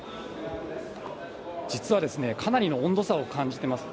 実はですね、かなりの温度差を感じてます。